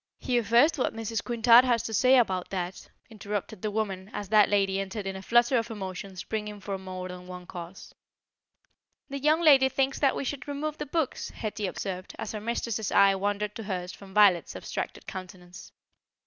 "Hear first what Mrs. Quintard has to say about that," interrupted the woman as that lady entered in a flutter of emotion springing from more than one cause. "The young lady thinks that we should remove the books," Hetty observed, as her mistress's eye wandered to hers from Violet's abstracted countenance.